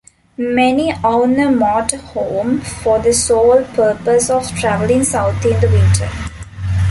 Many own a motorhome for the sole purpose of traveling south in the winter.